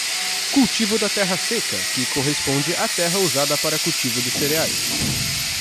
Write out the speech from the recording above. Cultivo da terra seca, que corresponde à terra usada para o cultivo de cereais.